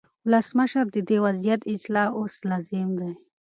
ولسمشره، د دې وضعیت اصلاح اوس لازم دی.